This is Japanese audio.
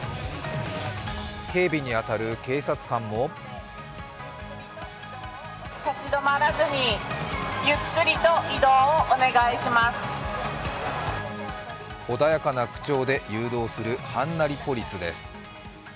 警備に当たる警察官も穏やかな口調で誘導するはんなりポリスです。